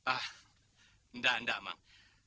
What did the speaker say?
ah enggak enggak mang